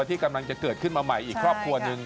ที่กำลังจะเกิดขึ้นมาใหม่อีกครอบครัวหนึ่ง